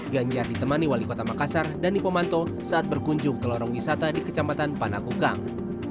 ganjar ditemani wali kota makassar dan ipomanto saat berkunjung ke lorong wisata di kecamatan panah kukang